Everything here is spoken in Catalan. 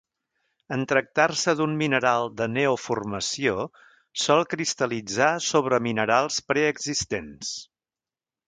En tractar-se d'un mineral de neoformació sol cristal·litzar sobre minerals preexistents.